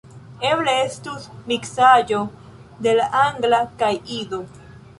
Eble estus miksaĵo de la Angla kaj Ido.